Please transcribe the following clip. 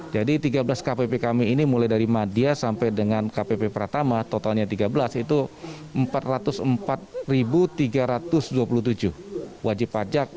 jadi tiga belas kpp kami ini mulai dari madya sampai dengan kpp pratama totalnya tiga belas itu empat ratus empat tiga ratus dua puluh tujuh wajib pajak